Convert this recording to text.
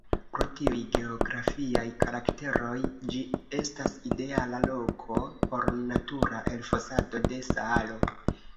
Pro tiuj geografiaj karakteroj, ĝi estas ideala loko por natura elfosado de salo.